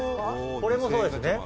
これもそうですね」